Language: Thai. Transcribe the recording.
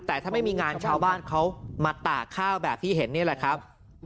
แต่ถ้าไม่มีงานชาวบ้านเขามาตากข้าวแบบที่เห็นนี่แหละครับ